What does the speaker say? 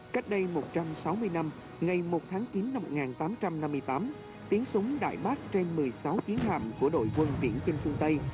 cách đây một trăm sáu mươi năm ngày một tháng chín năm một nghìn tám trăm năm mươi tám tiến súng đại bắc trên một mươi sáu chiến hạm của đội quân viễn trên phương tây